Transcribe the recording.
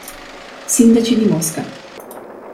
Sindaci di Mosca